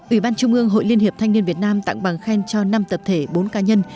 ủy ban trung ương hội liên hiệp thanh niên việt nam tặng bằng khen cho năm tập thể bốn cá nhân